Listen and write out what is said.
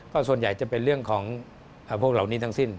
ก็ส่วนใหญ่จะเป็นเรื่องของพวกเหล่านี้ทั้งสิ้น